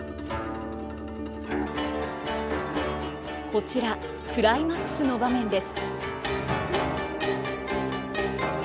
こちらクライマックスの場面です。